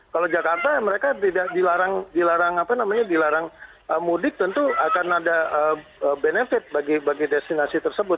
kalau jakarta mereka tidak dilarang mudik tentu akan ada benefit bagi destinasi tersebut